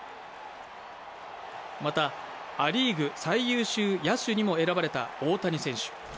またア・リーグ最優秀選手にも選ばれた大谷選手。